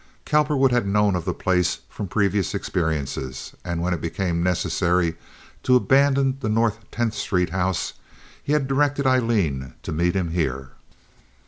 Cowperwood had known of the place from previous experiences, and when it became necessary to abandon the North Tenth Street house, he had directed Aileen to meet him here.